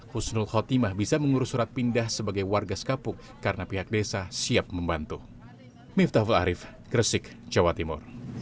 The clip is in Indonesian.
husnul khotimah bisa mengurus surat pindah sebagai warga sekapuk karena pihak desa siap membantu